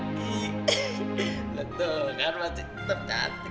betul kan mas tengkep cantik